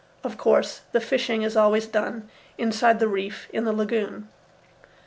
Of course, the fishing is always done inside the reef in the lagoon.